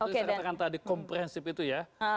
seperti saya katakan tadi komprehensif itu ya